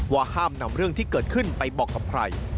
ว่าห้ามนำเรื่องที่เกิดขึ้นไปบอกกับใคร